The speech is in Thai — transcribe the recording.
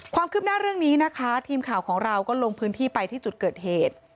ความคืบหน้าเรื่องนี้นะคะทีมข่าวของเราก็ลงพื้นที่ไปที่จุดเกิดเหตุ